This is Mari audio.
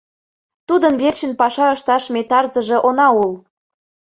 Тудын верчын паша ышташ ме тарзыже она ул.